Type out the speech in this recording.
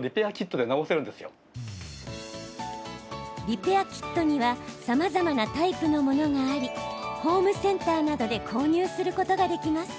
リペアーキットにはさまざまなタイプのものがありホームセンターなどで購入することができます。